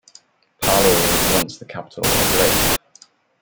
Palo was also once the capital of Leyte.